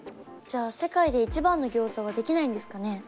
じゃあ世界で一番のギョーザはできないんですかね？